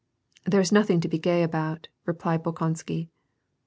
" There's nothing to be gay about," replied Bolkonsky.